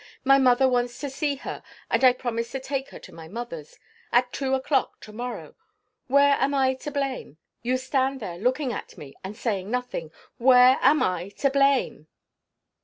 My mother wants to see her and I promise to take her to my mother's. At two o'clock to morrow. Where am I to blame? You stand there looking at me, and saying nothing. Where am I to blame?"